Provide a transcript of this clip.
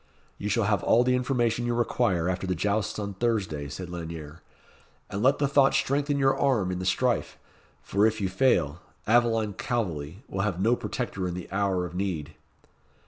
"You shall have all the information you require after the jousts on Thursday," said Lanyere; "and let the thought strengthen your arm in the strife, for if you fail, Aveline Calveley will have no protector in the hour of need."